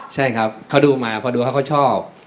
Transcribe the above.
ใช่ครับเขาดูมาพอดูเขาเขาชอบ